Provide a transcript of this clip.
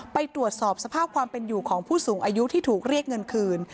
ไปตรวจสอบสภาพความเป็นอยู่ของผู้สูงอายุที่ถูกเรียกเงินคืน